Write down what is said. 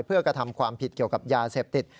เพื่อกระทำความผิดเกี่ยวกับยาเสพติด